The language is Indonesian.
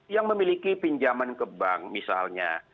yang memiliki pinjaman ke bank misalnya